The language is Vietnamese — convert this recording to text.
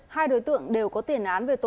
hai đối tượng đều có tiền án về tội